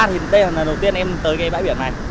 nhìn đây là lần đầu tiên em tới cái bãi biển này